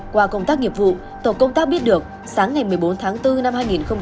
qua công tác nghiệp vụ tổ công tác biết được sáng ngày một mươi bốn tháng bốn năm hai nghìn hai mươi